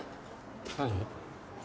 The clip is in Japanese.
何？